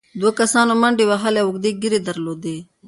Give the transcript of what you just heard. دوو کسانو منډې وهلې، اوږدې ږېرې يې درلودې،